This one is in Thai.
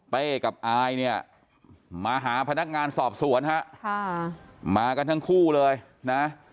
กับอายเนี่ยมาหาพนักงานสอบสวนฮะค่ะมากันทั้งคู่เลยนะ